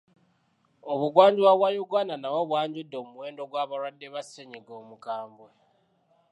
Obugwanjuba bwa Uganda nabwo bwanjudde omuwendo gw'abalwadde ba ssennyiga omukambwe.